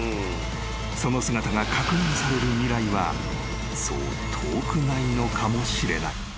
［その姿が確認される未来はそう遠くないのかもしれない］